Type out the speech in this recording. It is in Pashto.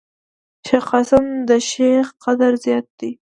شېخ قاسم دشېخ قدر زوی دﺉ.